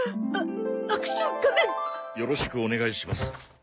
よろしくお願いします。